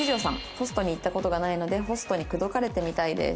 「ホストに行った事がないのでホストに口説かれてみたいです」。